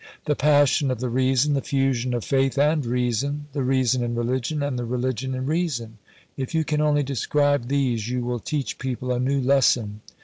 The passion of the reason, the fusion of faith and reason, the reason in religion and the religion in reason if you can only describe these, you will teach people a new lesson.